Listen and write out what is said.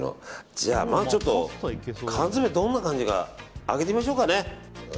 じゃあ、まず缶詰どんな感じか開けてみましょうかね。